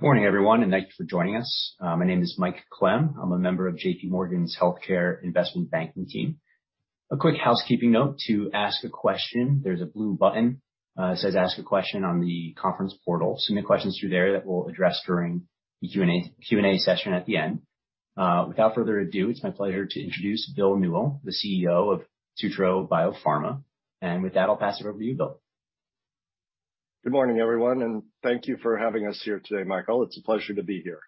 Morning everyone, and thanks for joining us. My name is Mike Clem. I'm a member of J.P. Morgan's Healthcare Investment Banking team. A quick housekeeping note. To ask a question, there's a blue button that says Ask a Question on the conference portal. Submit questions through there that we'll address during the Q&A session at the end. Without further ado, it's my pleasure to introduce Bill Newell, the CEO of Sutro Biopharma. With that, I'll pass it over to you, Bill. Good morning, everyone, and thank you for having us here today, Mike. It's a pleasure to be here.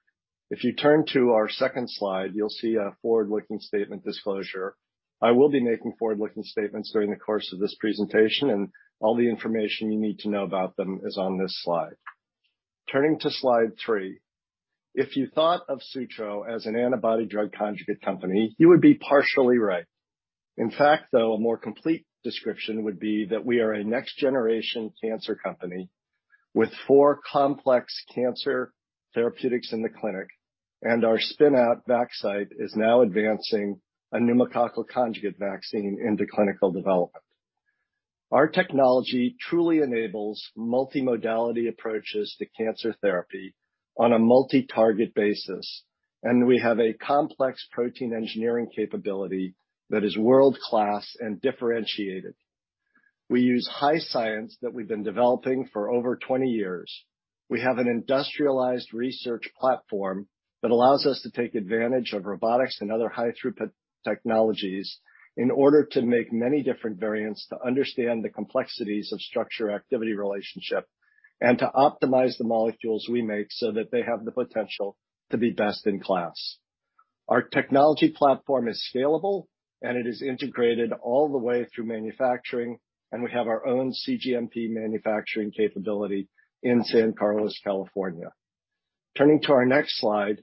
If you turn to our second slide, you'll see a forward-looking statement disclosure. I will be making forward-looking statements during the course of this presentation, and all the information you need to know about them is on this slide. Turning to slide three. If you thought of Sutro as an antibody-drug conjugate company, you would be partially right. In fact, though, a more complete description would be that we are a next-generation cancer company with four complex cancer therapeutics in the clinic. Our spin-out Vaxcyte is now advancing a pneumococcal conjugate vaccine into clinical development. Our technology truly enables multimodality approaches to cancer therapy on a multi-target basis, and we have a complex protein engineering capability that is world-class and differentiated. We use high science that we've been developing for over 20 years. We have an industrialized research platform that allows us to take advantage of robotics and other high-throughput technologies in order to make many different variants to understand the complexities of structure-activity relationship, and to optimize the molecules we make so that they have the potential to be best-in-class. Our technology platform is scalable, and it is integrated all the way through manufacturing, and we have our own cGMP manufacturing capability in San Carlos, California. Turning to our next slide.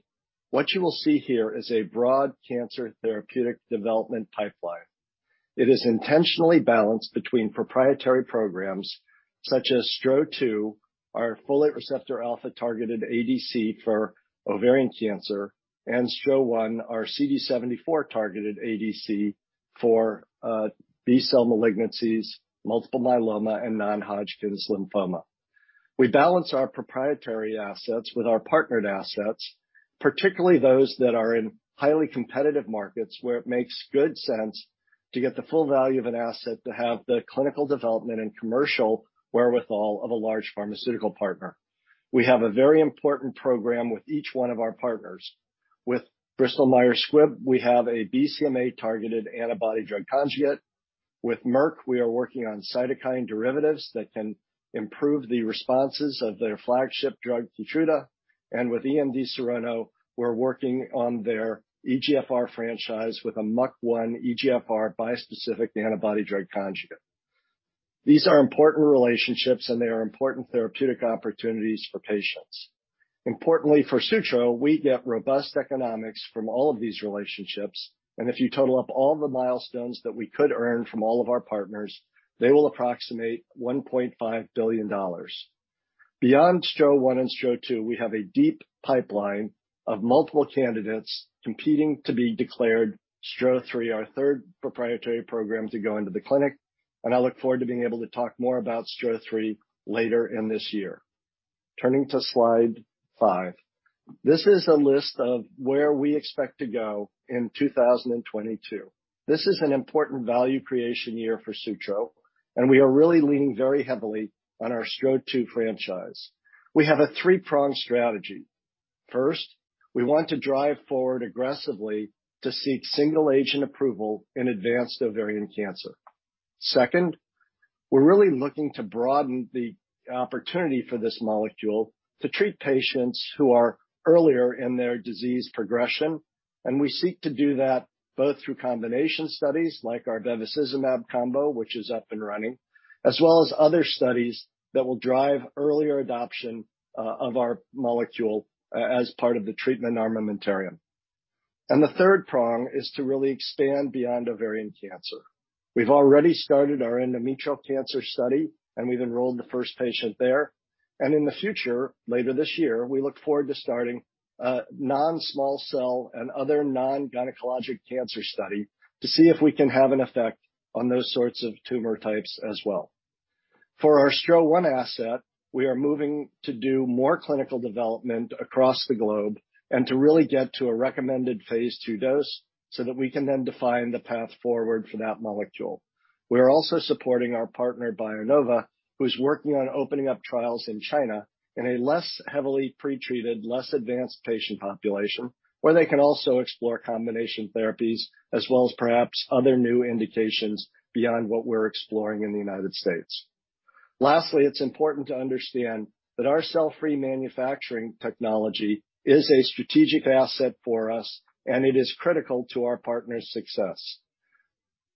What you will see here is a broad cancer therapeutic development pipeline. It is intentionally balanced between proprietary programs such as STRO-002, our folate receptor alpha-targeted ADC for ovarian cancer, and STRO-001, our CD74-targeted ADC for B-cell malignancies, multiple myeloma, and non-Hodgkin's lymphoma. We balance our proprietary assets with our partnered assets, particularly those that are in highly competitive markets, where it makes good sense to get the full value of an asset to have the clinical development and commercial wherewithal of a large pharmaceutical partner. We have a very important program with each one of our partners. With Bristol-Myers Squibb, we have a BCMA-targeted antibody-drug conjugate. With Merck, we are working on cytokine derivatives that can improve the responses of their flagship drug, KEYTRUDA. With EMD Serono, we're working on their EGFR franchise with a MUC1-EGFR bispecific antibody-drug conjugate. These are important relationships, and they are important therapeutic opportunities for patients. Importantly for Sutro, we get robust economics from all of these relationships, and if you total up all the milestones that we could earn from all of our partners, they will approximate $1.5 billion. Beyond STRO-001 and STRO-002, we have a deep pipeline of multiple candidates competing to be declared STRO-003, our third proprietary program to go into the clinic, and I look forward to being able to talk more about STRO-003 later in this year. Turning to slide five. This is a list of where we expect to go in 2022. This is an important value creation year for Sutro, and we are really leaning very heavily on our STRO-002 franchise. We have a three-pronged strategy. First, we want to drive forward aggressively to seek single agent approval in advanced ovarian cancer. Second, we're really looking to broaden the opportunity for this molecule to treat patients who are earlier in their disease progression, and we seek to do that both through combination studies like our bevacizumab combo, which is up and running, as well as other studies that will drive earlier adoption of our molecule as part of the treatment armamentarium. The third prong is to really expand beyond ovarian cancer. We've already started our endometrial cancer study, and we've enrolled the first patient there. In the future, later this year, we look forward to starting a non-small cell and other non-gynecologic cancer study to see if we can have an effect on those sorts of tumor types as well. For our STRO-001 asset, we are moving to do more clinical development across the globe and to really get to a recommended phase II dose so that we can then define the path forward for that molecule. We are also supporting our partner, BioNova, who's working on opening up trials in China in a less heavily pretreated, less advanced patient population, where they can also explore combination therapies as well as perhaps other new indications beyond what we're exploring in the United States. Lastly, it's important to understand that our cell-free manufacturing technology is a strategic asset for us, and it is critical to our partners' success.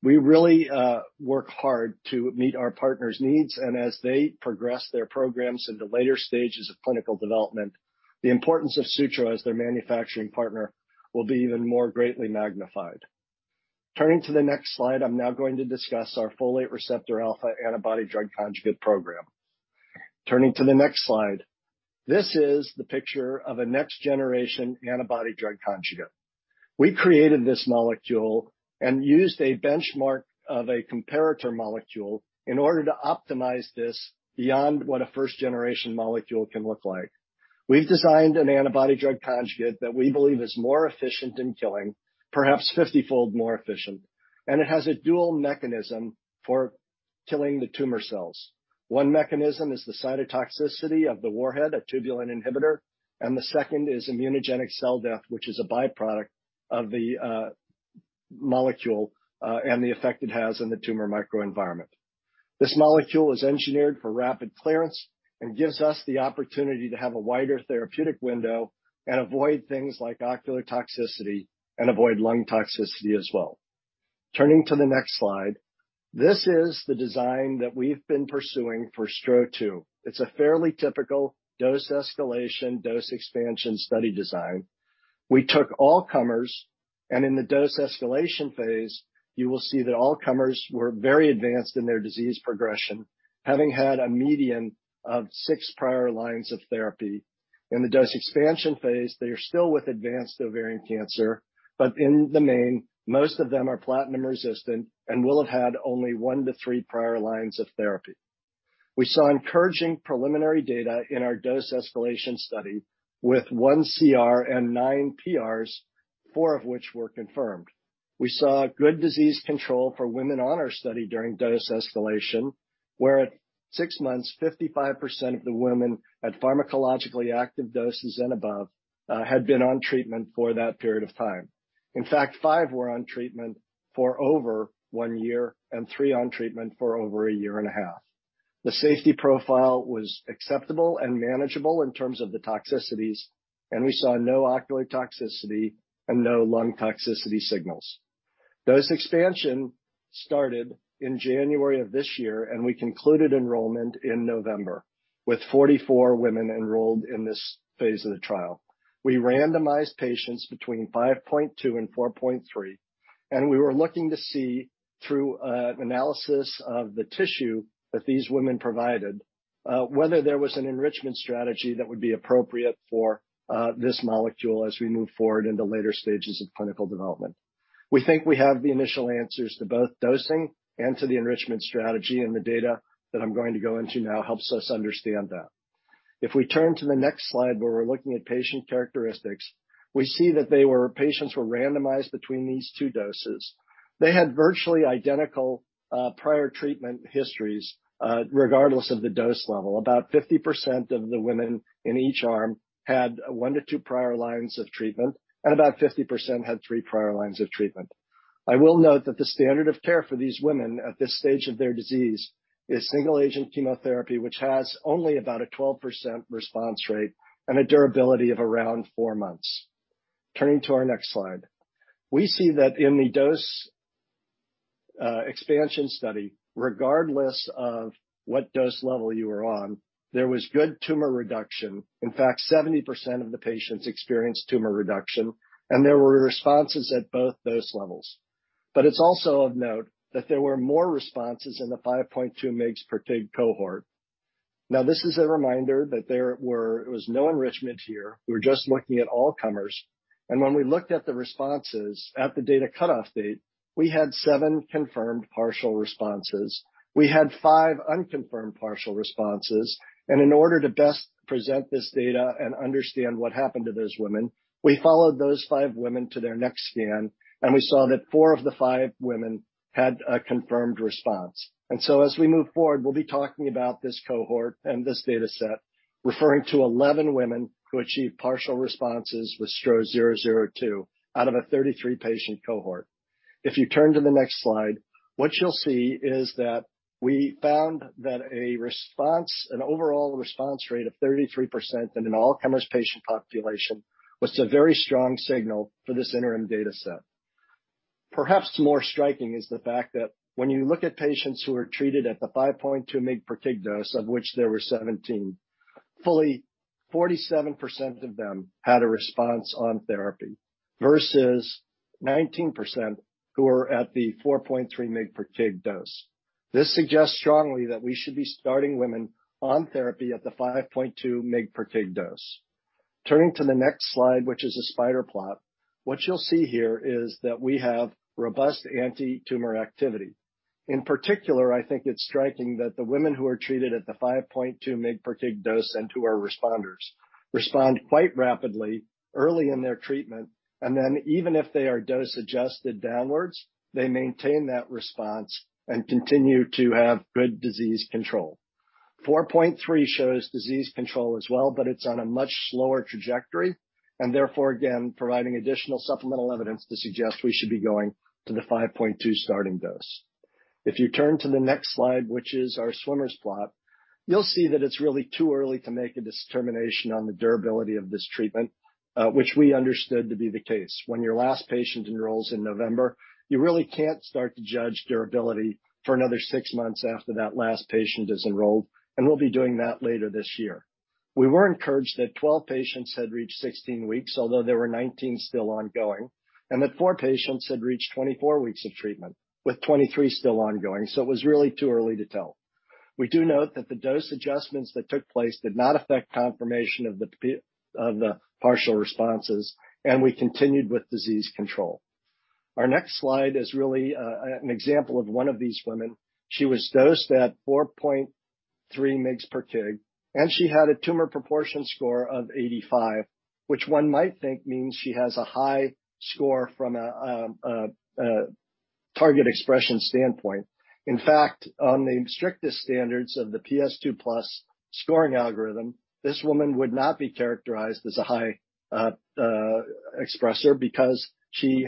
We really work hard to meet our partners' needs, and as they progress their programs into later stages of clinical development, the importance of Sutro as their manufacturing partner will be even more greatly magnified. Turning to the next slide. I'm now going to discuss our folate receptor alpha antibody drug conjugate program. Turning to the next slide. This is the picture of a next-generation antibody drug conjugate. We created this molecule and used a benchmark of a comparator molecule in order to optimize this beyond what a first generation molecule can look like. We've designed an antibody drug conjugate that we believe is more efficient in killing, perhaps 50-fold more efficient, and it has a dual mechanism for killing the tumor cells. One mechanism is the cytotoxicity of the warhead, a tubulin inhibitor, and the second is immunogenic cell death, which is a byproduct of the molecule and the effect it has on the tumor microenvironment. This molecule is engineered for rapid clearance and gives us the opportunity to have a wider therapeutic window and avoid things like ocular toxicity and avoid lung toxicity as well. Turning to the next slide. This is the design that we've been pursuing for STRO-002. It's a fairly typical dose escalation, dose expansion study design. We took all comers, and in the dose escalation phase, you will see that all comers were very advanced in their disease progression, having had a median of six prior lines of therapy. In the dose expansion phase, they are still with advanced ovarian cancer, but in the main, most of them are platinum resistant and will have had only one to three prior lines of therapy. We saw encouraging preliminary data in our dose escalation study with one CR and nine PRs, four of which were confirmed. We saw good disease control for women on our study during dose escalation, where at six months, 55% of the women at pharmacologically active doses and above had been on treatment for that period of time. In fact, five were on treatment for over one year and three on treatment for over 1.5 years. The safety profile was acceptable and manageable in terms of the toxicities, and we saw no ocular toxicity and no lung toxicity signals. Dose expansion started in January of this year, and we concluded enrollment in November with 44 women enrolled in this phase of the trial. We randomized patients between 5.2 and 4.3, and we were looking to see through analysis of the tissue that these women provided whether there was an enrichment strategy that would be appropriate for this molecule as we move forward into later stages of clinical development. We think we have the initial answers to both dosing and to the enrichment strategy and the data that I'm going to go into now helps us understand that. If we turn to the next slide, where we're looking at patient characteristics, we see that patients were randomized between these two doses. They had virtually identical prior treatment histories regardless of the dose level. About 50% of the women in each arm had one to two prior lines of treatment, and about 50% had three prior lines of treatment. I will note that the standard of care for these women at this stage of their disease is single agent chemotherapy, which has only about a 12% response rate and a durability of around four months. Turning to our next slide. We see that in the dose expansion study, regardless of what dose level you were on, there was good tumor reduction. In fact, 70% of the patients experienced tumor reduction, and there were responses at both dose levels. But it's also of note that there were more responses in the 5.2 mg/kg cohort. Now, this is a reminder that there was no enrichment here. We were just looking at all comers. When we looked at the responses at the data cutoff date, we had seven confirmed partial responses. We had five unconfirmed partial responses. In order to best present this data and understand what happened to those women, we followed those five women to their next scan, and we saw that four of the five women had a confirmed response. As we move forward, we'll be talking about this cohort and this data set referring to 11 women who achieved partial responses with STRO-002 out of a 33 patient cohort. If you turn to the next slide, what you'll see is that we found that a response, an overall response rate of 33% in an all-comers patient population was a very strong signal for this interim data set. Perhaps more striking is the fact that when you look at patients who are treated at the 5.2 mg/kg dose, of which there were 17, fully 47% of them had a response on therapy versus 19% who are at the 4.3 mg/kg dose. This suggests strongly that we should be starting women on therapy at the 5.2 mg/kg dose. Turning to the next slide, which is a spider plot. What you'll see here is that we have robust anti-tumor activity. In particular, I think it's striking that the women who are treated at the 5.2 mg/kg dose and who are responders respond quite rapidly early in their treatment, and then even if they are dose adjusted downwards, they maintain that response and continue to have good disease control. 4.3 shows disease control as well, but it's on a much slower trajectory and therefore, again, providing additional supplemental evidence to suggest we should be going to the 5.2 starting dose. If you turn to the next slide, which is our Swimmer's plot, you'll see that it's really too early to make a determination on the durability of this treatment, which we understood to be the case. When your last patient enrolls in November, you really can't start to judge durability for another six months after that last patient is enrolled, and we'll be doing that later this year. We were encouraged that 12 patients had reached 16 weeks, although there were 19 still ongoing, and that four patients had reached 24 weeks of treatment, with 23 still ongoing. It was really too early to tell. We do note that the dose adjustments that took place did not affect confirmation of the partial responses, and we continued with disease control. Our next slide is really an example of one of these women. She was dosed at 4.3 mg/kg, and she had a tumor proportion score of 85, which one might think means she has a high score from a target expression standpoint. In fact, on the strictest standards of the PS2+ scoring algorithm, this woman would not be characterized as a high expresser because she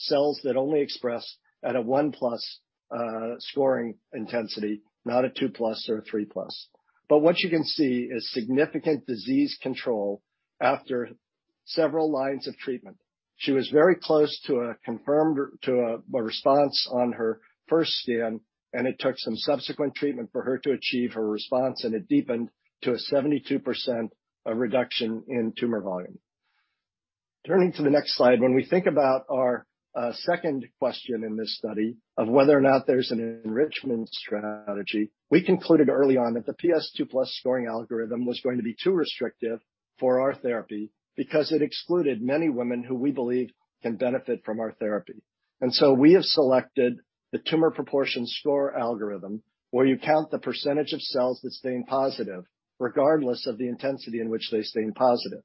has cells that only express at a 1+ scoring intensity, not a 2+ or a 3+. What you can see is significant disease control after several lines of treatment. She was very close to a response on her first scan, and it took some subsequent treatment for her to achieve her response, and it deepened to a 72% reduction in tumor volume. Turning to the next slide. When we think about our second question in this study of whether or not there's an enrichment strategy, we concluded early on that the PS2+ scoring algorithm was going to be too restrictive for our therapy because it excluded many women who we believe can benefit from our therapy. We have selected the tumor proportion score algorithm, where you count the percentage of cells that stain positive regardless of the intensity in which they stain positive.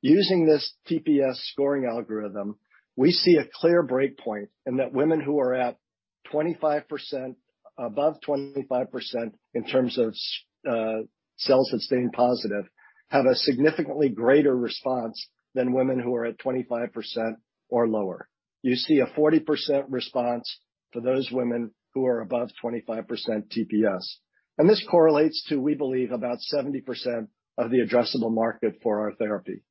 Using this TPS scoring algorithm, we see a clear breakpoint and that women who are at 25%, above 25% in terms of cells that stain positive, have a significantly greater response than women who are at 25% or lower. You see a 40% response for those women who are above 25% TPS. This correlates to, we believe, about 70% of the addressable market for our therapy.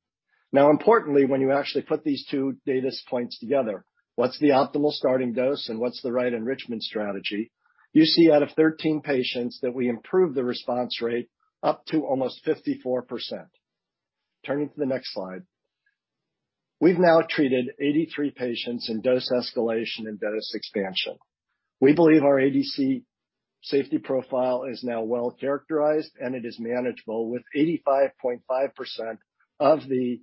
Now importantly, when you actually put these two data points together, what's the optimal starting dose and what's the right enrichment strategy? You see out of 13 patients that we improve the response rate up to almost 54%. Turning to the next slide. We've now treated 83 patients in dose escalation and dose expansion. We believe our ADC safety profile is now well-characterized, and it is manageable with 85.5% of the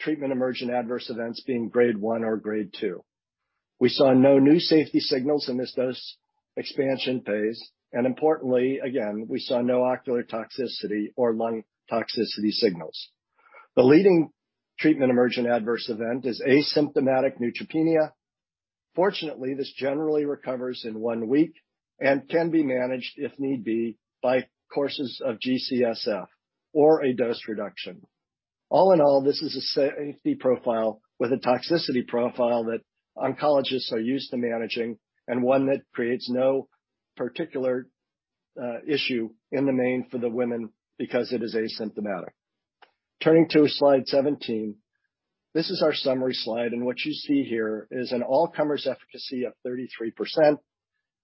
treatment-emergent adverse events being Grade 1 or Grade 2. We saw no new safety signals in this dose expansion phase. Importantly, again, we saw no ocular toxicity or lung toxicity signals. The leading treatment-emergent adverse event is asymptomatic neutropenia. Fortunately, this generally recovers in one week and can be managed, if need be, by courses of G-CSF or a dose reduction. All in all, this is a safety profile with a toxicity profile that oncologists are used to managing and one that creates no particular issue in the main for the women because it is asymptomatic. Turning to slide 17. This is our summary slide, and what you see here is an all-comers efficacy of 33%,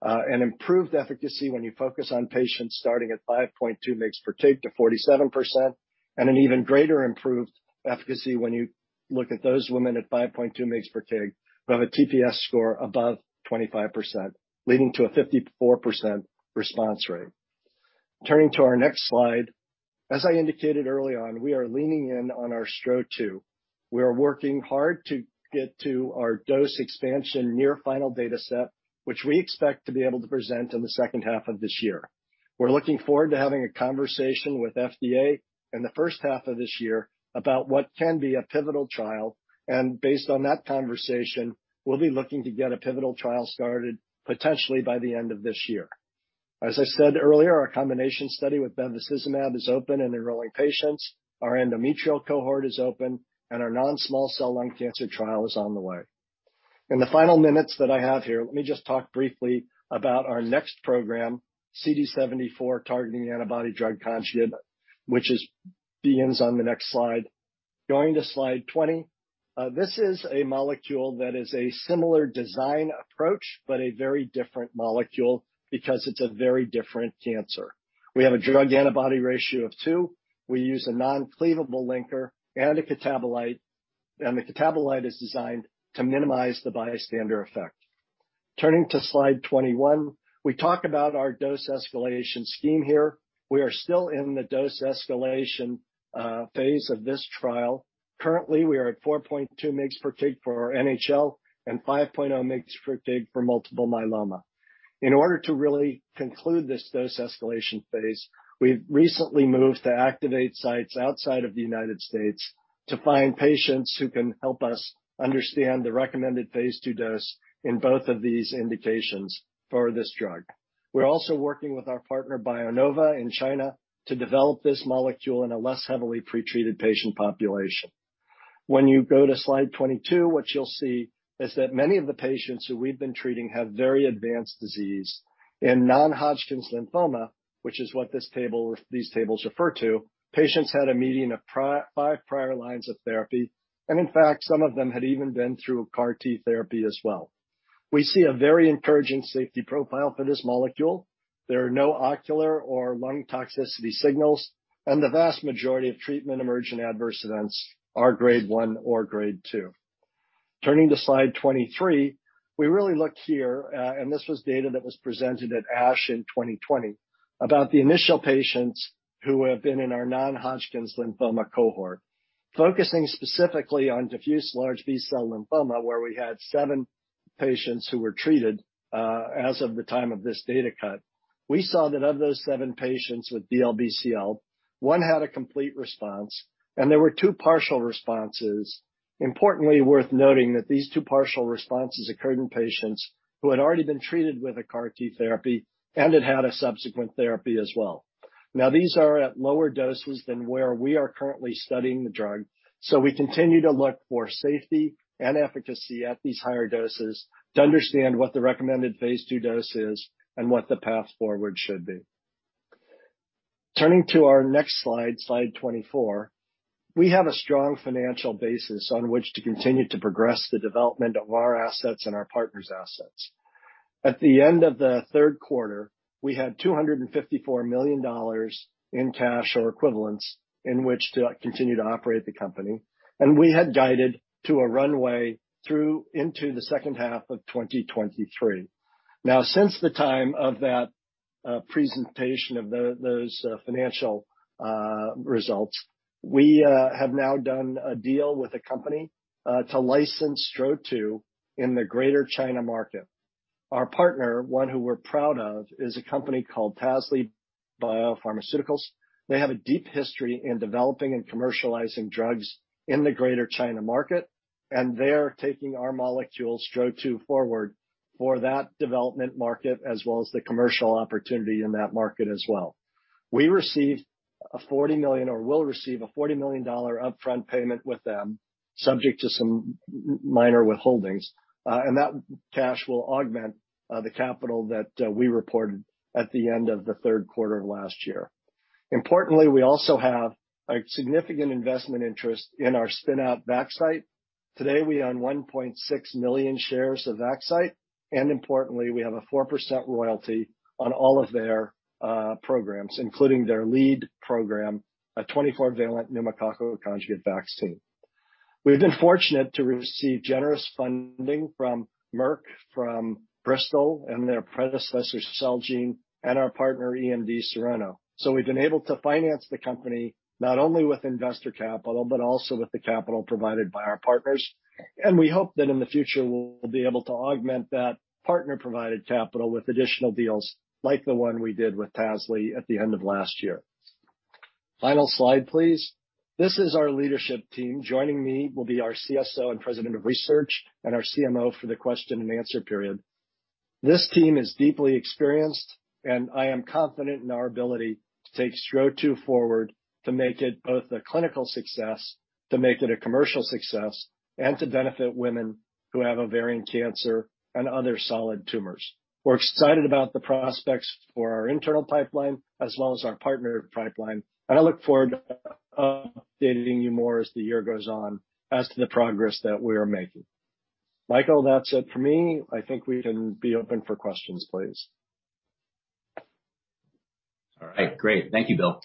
an improved efficacy when you focus on patients starting at 5.2 mg/kg to 47%, and an even greater improved efficacy when you look at those women at 5.2 mg/kg who have a TPS score above 25%, leading to a 54% response rate. Turning to our next slide. As I indicated early on, we are leaning in on our STRO-002. We are working hard to get to our dose expansion near final data set, which we expect to be able to present in the second half of this year. We're looking forward to having a conversation with FDA in the first half of this year about what can be a pivotal trial. Based on that conversation, we'll be looking to get a pivotal trial started potentially by the end of this year. As I said earlier, our combination study with bevacizumab is open and enrolling patients, our endometrial cohort is open, and our non-small cell lung cancer trial is on the way. In the final minutes that I have here, let me just talk briefly about our next program, CD74 targeting antibody-drug conjugate, which begins on the next slide. Going to slide 20. This is a molecule that is a similar design approach, but a very different molecule because it's a very different cancer. We have a drug-to-antibody ratio of two. We use a non-cleavable linker and a catabolite, and the catabolite is designed to minimize the bystander effect. Turning to slide 21. We talk about our dose escalation scheme here. We are still in the dose escalation phase of this trial. Currently, we are at 4.2 mg/kg for our NHL and 5.0 mg/kg for multiple myeloma. In order to really conclude this dose escalation phase, we've recently moved to activate sites outside of the United States to find patients who can help us understand the recommended phase II dose in both of these indications for this drug. We're also working with our partner, BioNova, in China to develop this molecule in a less heavily pre-treated patient population. When you go to slide 22, what you'll see is that many of the patients who we've been treating have very advanced disease. In non-Hodgkin's lymphoma, which is what these tables refer to, patients had a median of 5 prior lines of therapy, and in fact, some of them had even been through CAR-T therapy as well. We see a very encouraging safety profile for this molecule. There are no ocular or lung toxicity signals, and the vast majority of treatment-emergent adverse events are Grade 1 or Grade 2. Turning to slide 23. We really looked here, and this was data that was presented at ASH in 2020 about the initial patients who have been in our non-Hodgkin's lymphoma cohort. Focusing specifically on diffuse large B-cell lymphoma, where we had seven patients who were treated, as of the time of this data cut. We saw that of those seven patients with DLBCL, one had a complete response, and there were two partial responses. Importantly, worth noting that these two partial responses occurred in patients who had already been treated with a CAR-T therapy and had had a subsequent therapy as well. Now these are at lower doses than where we are currently studying the drug, so we continue to look for safety and efficacy at these higher doses to understand what the recommended phase II dose is and what the path forward should be. Turning to our next slide 24. We have a strong financial basis on which to continue to progress the development of our assets and our partners' assets. At the end of the third quarter, we had $254 million in cash or equivalents in which to continue to operate the company. We had guided to a runway through into the second half of 2023. Now, since the time of that presentation of those financial results, we have now done a deal with a company to license STRO-002 in the Greater China market. Our partner, one who we're proud of, is a company called Tasly Biopharmaceuticals. They have a deep history in developing and commercializing drugs in the Greater China market, and they're taking our molecule STRO-002 forward for that development market as well as the commercial opportunity in that market as well. We received a $40 million or will receive a $40 million upfront payment with them, subject to some minor withholdings. That cash will augment the capital that we reported at the end of the third quarter of last year. Importantly, we also have a significant investment interest in our spin-out Vaxcyte. Today, we own 1.6 million shares of Vaxcyte, and importantly, we have a 4% royalty on all of their programs, including their lead program, a 24-valent pneumococcal conjugate vaccine. We've been fortunate to receive generous funding from Merck, from Bristol-Myers Squibb and their predecessor, Celgene, and our partner, EMD Serono. We've been able to finance the company not only with investor capital but also with the capital provided by our partners. We hope that in the future, we'll be able to augment that partner-provided capital with additional deals like the one we did with Tasly at the end of last year. Final slide, please. This is our leadership team. Joining me will be our CSO and President of Research and our CMO for the question-and-answer period. This team is deeply experienced, and I am confident in our ability to take STRO-002 forward to make it both a clinical success, to make it a commercial success, and to benefit women who have ovarian cancer and other solid tumors. We're excited about the prospects for our internal pipeline as well as our partner pipeline, and I look forward to updating you more as the year goes on as to the progress that we are making. Michael, that's it for me. I think we can be open for questions, please. All right. Great. Thank you, Bill.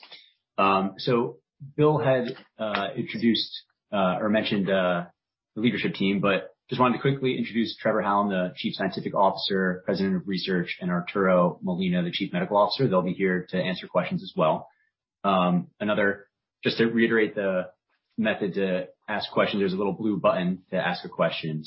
Bill had introduced or mentioned the leadership team, but just wanted to quickly introduce Trevor Hallam, the Chief Scientific Officer, President of Research, and Arturo Molina, the Chief Medical Officer. They'll be here to answer questions as well. Just to reiterate the method to ask questions, there's a little blue button to ask a question.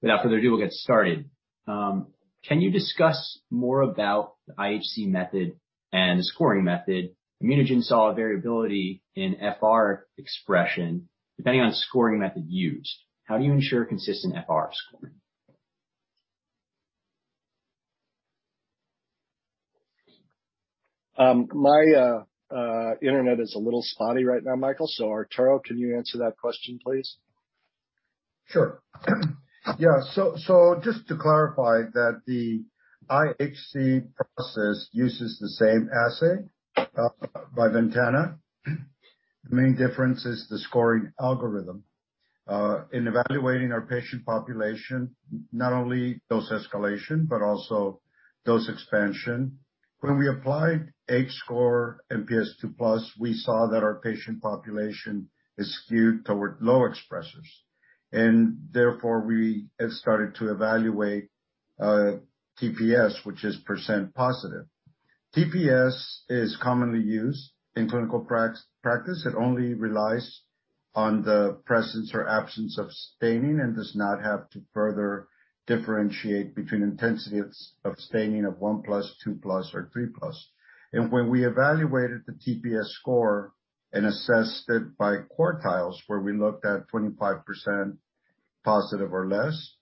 Without further ado, we'll get started. Can you discuss more about the IHC method and the scoring method? ImmunoGen saw a variability in FR expression depending on the scoring method used. How do you ensure consistent FR scoring? My internet is a little spotty right now, Michael. Arturo, can you answer that question, please? Sure. Yeah, just to clarify that the IHC process uses the same assay by Ventana. The main difference is the scoring algorithm. In evaluating our patient population, not only dose escalation but also dose expansion. When we applied H-score and PS2+, we saw that our patient population is skewed toward low expressers, and therefore, we started to evaluate TPS, which is percent positive. TPS is commonly used in clinical practice. It only relies on the presence or absence of staining and does not have to further differentiate between intensity of staining of one plus, two plus, or three plus. When we evaluated the TPS score and assessed it by quartiles, where we looked at 25% positive or less,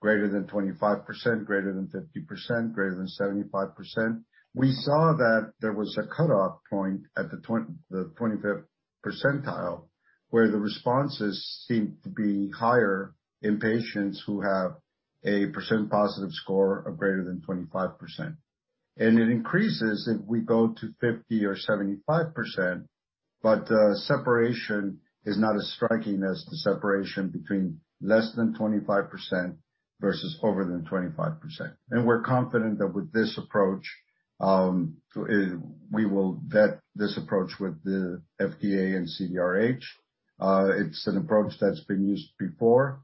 greater than 25%, greater than 50%, greater than 75%, we saw that there was a cutoff point at the 25th percentile, where the responses seemed to be higher in patients who have a percent positive score of greater than 25%. It increases if we go to 50% or 75%, but the separation is not as striking as the separation between less than 25% versus greater than 25%. We're confident that with this approach, we will vet this approach with the FDA and CDRH. It's an approach that's been used before.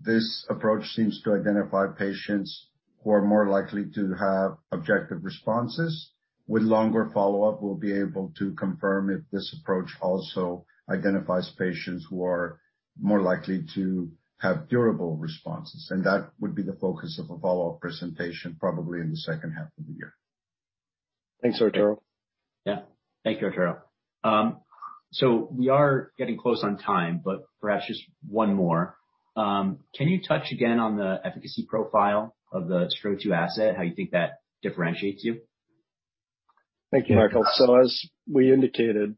This approach seems to identify patients who are more likely to have objective responses. With longer follow-up, we'll be able to confirm if this approach also identifies patients who are more likely to have durable responses, and that would be the focus of a follow-up presentation probably in the second half of the year. Thanks, Arturo. Yeah. Thank you, Arturo. We are getting close on time, but perhaps just one more. Can you touch again on the efficacy profile of the STRO-002 asset, how you think that differentiates you? Thank you, Mike. As we indicated,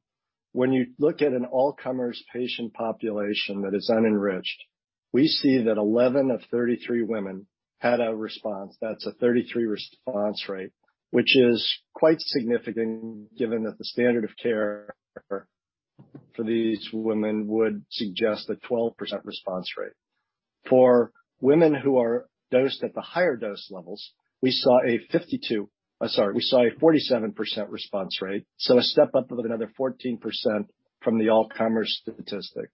when you look at an all-comers patient population that is unenriched, we see that 11 of 33 women had a response. That's a 33% response rate, which is quite significant given that the standard of care for these women would suggest a 12% response rate. For women who are dosed at the higher dose levels, we saw a 47% response rate, so a step up of another 14% from the all-comers statistic.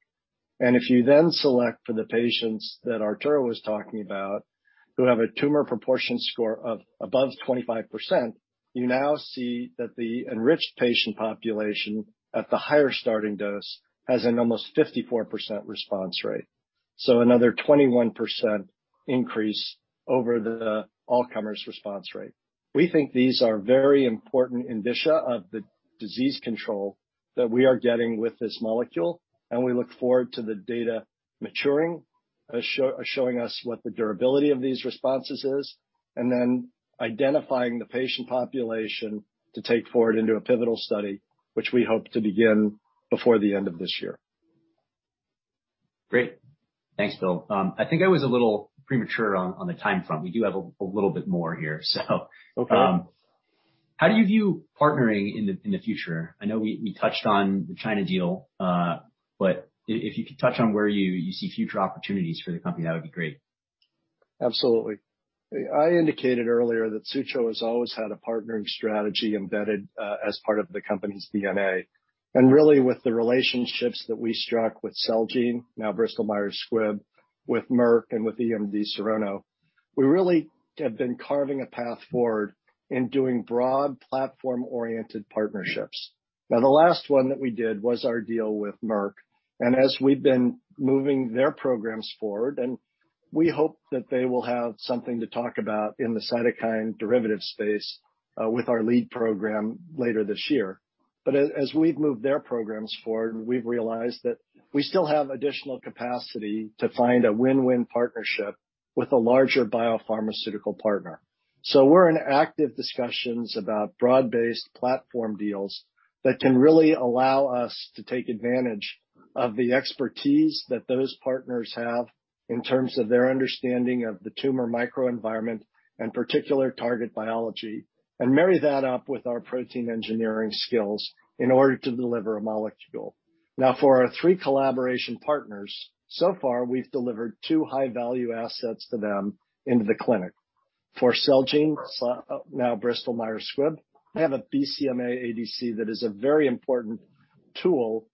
If you then select for the patients that Arturo was talking about who have a tumor proportion score of above 25%, you now see that the enriched patient population at the higher starting dose has an almost 54% response rate. Another 21% increase over the all-comers response rate. We think these are very important indicia of the disease control that we are getting with this molecule, and we look forward to the data maturing, showing us what the durability of these responses is, and then identifying the patient population to take forward into a pivotal study, which we hope to begin before the end of this year. Great. Thanks, Bill. I think I was a little premature on the time frame. We do have a little bit more here, so. Okay. How do you view partnering in the future? I know we touched on the China deal. If you could touch on where you see future opportunities for the company, that would be great. Absolutely. I indicated earlier that Sutro has always had a partnering strategy embedded, as part of the company's DNA. Really, with the relationships that we struck with Celgene, now Bristol-Myers Squibb, with Merck, and with EMD Serono, we really have been carving a path forward in doing broad platform-oriented partnerships. Now, the last one that we did was our deal with Merck, and as we've been moving their programs forward, and we hope that they will have something to talk about in the cytokine derivative space, with our lead program later this year. As we've moved their programs forward, we've realized that we still have additional capacity to find a win-win partnership with a larger biopharmaceutical partner. We're in active discussions about broad-based platform deals that can really allow us to take advantage of the expertise that those partners have in terms of their understanding of the tumor microenvironment and particular target biology, and marry that up with our protein engineering skills in order to deliver a molecule. Now, for our three collaboration partners, so far, we've delivered two high-value assets to them into the clinic. For Celgene, now Bristol-Myers Squibb, they have a BCMA ADC that is a very important tool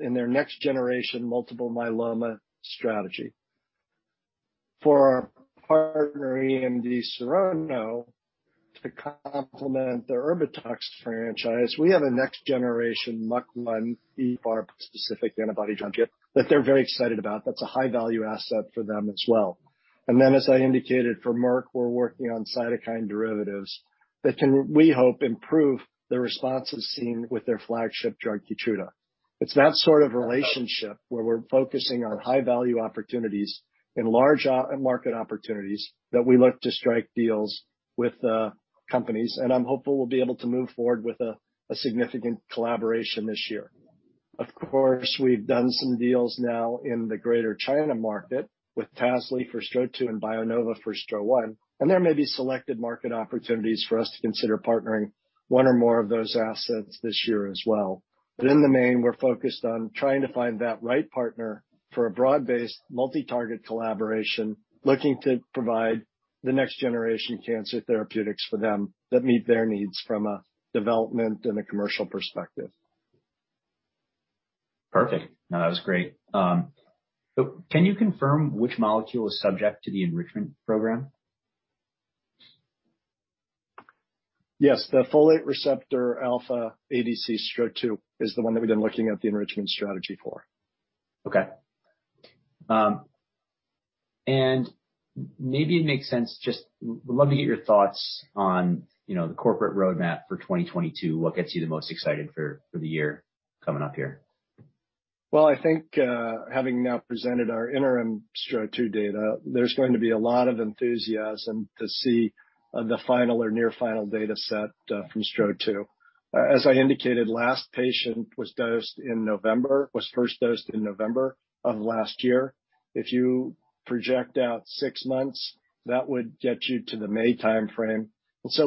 in their next-generation multiple myeloma strategy. For our partner EMD Serono, to complement their Erbitux franchise, we have a next-generation MUC1-EGFR bispecific antibody-drug conjugate that they're very excited about. That's a high-value asset for them as well. as I indicated, for Merck, we're working on cytokine derivatives that can, we hope, improve the responses seen with their flagship drug, KEYTRUDA. It's that sort of relationship where we're focusing on high-value opportunities and large opportunity and market opportunities that we look to strike deals with, companies, and I'm hopeful we'll be able to move forward with a significant collaboration this year. Of course, we've done some deals now in the Greater China market with Tasly for STRO-002 and BioNova for STRO-001, and there may be selected market opportunities for us to consider partnering one or more of those assets this year as well. In the main, we're focused on trying to find that right partner for a broad-based, multi-target collaboration, looking to provide the next-generation cancer therapeutics for them that meet their needs from a development and a commercial perspective. Perfect. No, that was great. Can you confirm which molecule is subject to the enrichment program? Yes. The folate receptor alpha ADC STRO-002 is the one that we've been looking at the enrichment strategy for. Okay. Maybe it makes sense just would love to get your thoughts on, you know, the corporate roadmap for 2022, what gets you the most excited for the year coming up here? Well, I think, having now presented our interim STRO-002 data, there's going to be a lot of enthusiasm to see, the final or near final data set, from STRO-002. As I indicated, last patient was dosed in November, was first dosed in November of last year. If you project out six months, that would get you to the May timeframe.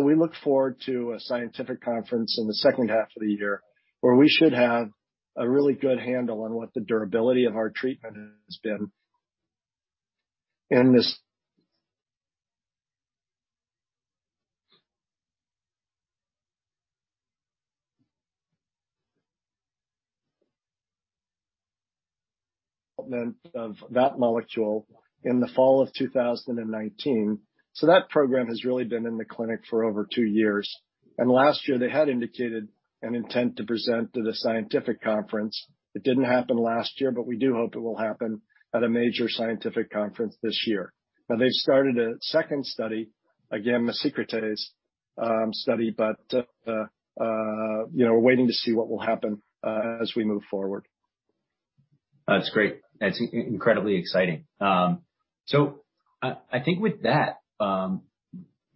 We look forward to a scientific conference in the second half of the year, where we should have a really good handle on what the durability of our treatment has been. This development of that molecule in the fall of 2019. That program has really been in the clinic for over two years. Last year, they had indicated an intent to present to the scientific conference. It didn't happen last year, but we do hope it will happen at a major scientific conference this year. Now, they've started a second study, again, a secretase study, but you know, we're waiting to see what will happen as we move forward. That's great. That's incredibly exciting. So I think with that,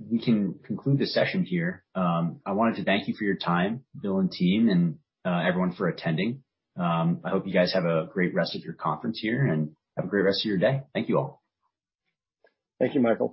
we can conclude the session here. I wanted to thank you for your time, Bill and team, and everyone for attending. I hope you guys have a great rest of your conference here, and have a great rest of your day. Thank you, all. Thank you, Michael.